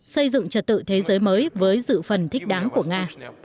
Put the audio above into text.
xây dựng trật tự thế giới mới với dự phần thích đáng của nga